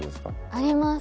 あります。